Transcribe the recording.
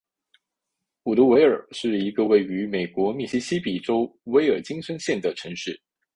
伍德维尔是一个位于美国密西西比州威尔金森县的城市。